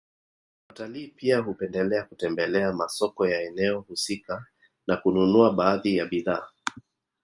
Watalii pia hupendelea kutembelea masoko ya eneo husika na kununua baadhi ya bidhaa